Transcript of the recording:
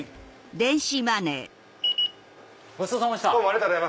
ごちそうさまでした！